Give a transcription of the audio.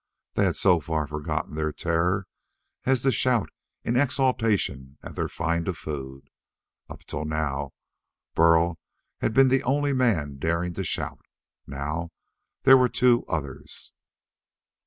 They had so far forgotten their terror as to shout in exultation at their find of food. Up to now, Burl had been the only man daring to shout. Now there were two others.